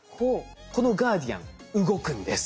このガーディアン動くんです。